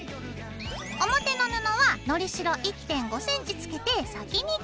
表の布はのりしろ１．５ｃｍつけて先にカット。